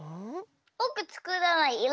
ぼくつくらない。